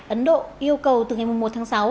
ấn độ yêu cầu từ ngày một tháng sáu